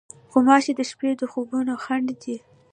غوماشې د شپې د خوبو خنډ دي.